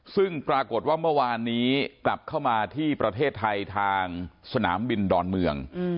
ซึ่งปรากฏว่าเมื่อวานนี้กลับเข้ามาที่ประเทศไทยทางสนามบินดอนเมือง